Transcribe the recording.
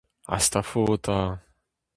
Ha hast afo 'ta.